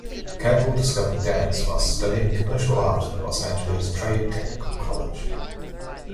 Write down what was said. Campbell discovered dance while studying commercial art at Los Angeles Trade-Technical College.